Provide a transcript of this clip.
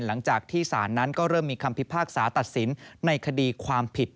หลังจากที่ศาลนั้นก็เริ่มมีคำพิพากษาตัดสินในคดีความผิด